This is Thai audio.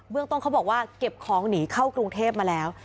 เรื่องต้นเขาบอกว่าเก็บของหนีเข้ากรุงเทพมาแล้ว